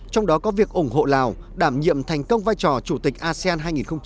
trong đó có việc ủng hộ lào đảm nhiệm thành công vai trò chủ tịch asean hai nghìn hai mươi